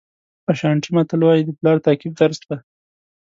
اشانټي متل وایي د پلار تعقیب درس دی.